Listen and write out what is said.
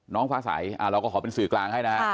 น้องฟ้าสายเราก็ถอดเป็นสื่อกลางให้นะ